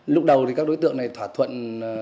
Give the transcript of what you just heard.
lúc đầu thì các đối tượng này thỏa thuận